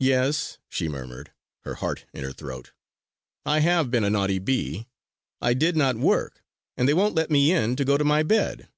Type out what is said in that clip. "Yes," she murmured, her heart in her throat. "I have been a naughty bee. I did not work, and they won't let me in to go to my bed!"